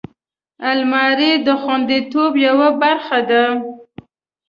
الماري د خوندیتوب یوه برخه ده